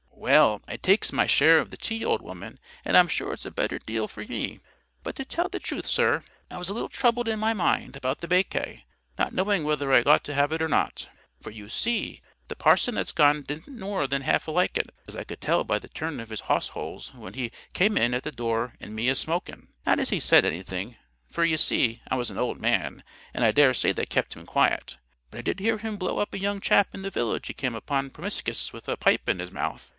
"Well, I takes my share of the tea, old woman, and I'm sure it's a deal better for me. But, to tell the truth, sir, I was a little troubled in my mind about the baccay, not knowing whether I ought to have it or not. For you see, the parson that's gone didn't more than half like it, as I could tell by the turn of his hawse holes when he came in at the door and me a smokin'. Not as he said anything; for, ye see, I was an old man, and I daresay that kep him quiet. But I did hear him blow up a young chap i' the village he come upon promiscus with a pipe in his mouth.